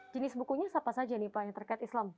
jenis bukunya siapa saja nih pak